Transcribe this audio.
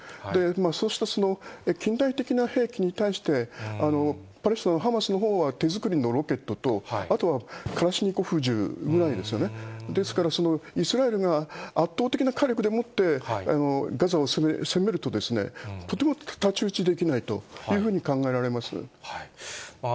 そうした近代的な兵器に対して、パレスチナのハマスのほうは手作りのロケットと、あとはカラシニコフ銃ですね、ですからイスラエルが圧倒的な火力でもってガザを攻めると、とても太刀打ちできないというふうに考えられます。